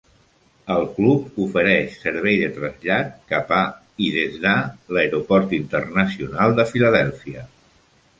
El club ofereix servei de trasllat cap a i des de l'aeroport internacional de Filadèlfia.